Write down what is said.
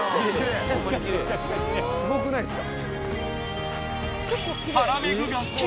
すごくないすか？